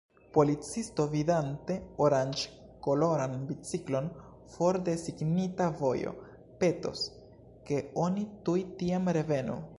Policisto, vidante oranĝkoloran biciklon for de signita vojo, petos, ke oni tuj tien revenu.